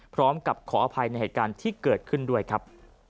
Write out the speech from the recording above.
พร้อมกับขออภัยในเหตุการณ์ที่เกิดขึ้นด้วยครับ